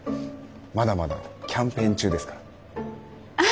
まだまだキャンペーン中ですから。